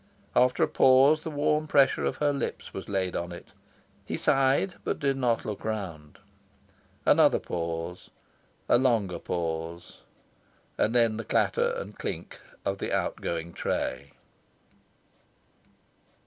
After a pause, the warm pressure of her lips was laid on it. He sighed, but did not look round. Another pause, a longer pause, and then the clatter and clink of the outgoing tray.